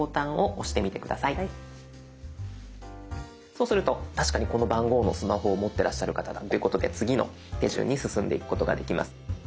そうすると確かにこの番号のスマホを持ってらっしゃる方だということで次の手順に進んでいくことができます。